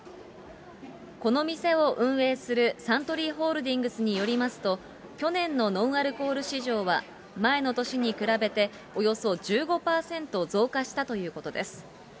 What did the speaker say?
この店を運営するサントリーホールディングスによりますと、去年のノンアルコール市場は前の年に比べて、およそ１５％増加したということです。